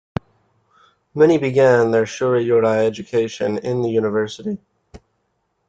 Many begin their Shirayuri education in the university.